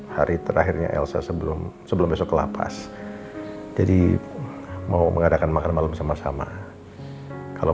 hari terakhirnya elsa sebelum sebelum esok lapas jadi mau mengadakan makan malam sama sama kalau